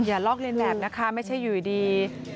ลอกเรียนแบบนะคะไม่ใช่อยู่ดี